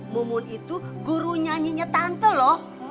mumun itu guru nyanyinya tante loh